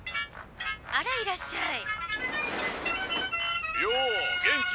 「あらいらっしゃい」。